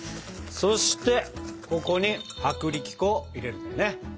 そしてここに薄力粉を入れるんだね。